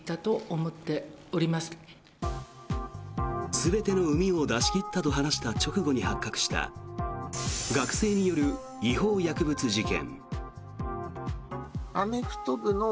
全てのうみを出し切ったと話した直後に発覚した学生による違法薬物事件。